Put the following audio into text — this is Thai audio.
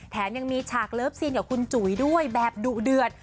แถมยังมีฉากเลิฟซีนกับคุณจุ๋ยด้วยแบบดุเดือด